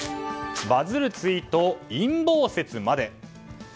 バズるツイート、陰謀説まで。